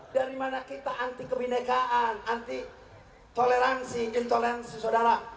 dari mana kita anti kebinekaan anti toleransi intoleransi saudara